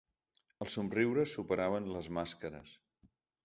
Els somriures superaven les màscares.